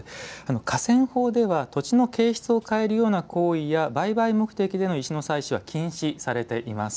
河川法では土地の形質を変えるような行為や売買目的での石の採取は禁止されています。